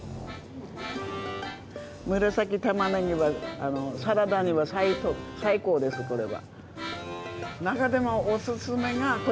紫タマネギはサラダには最高ですこれは。